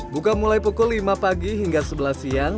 buka mulai pukul lima pagi hingga sebelas siang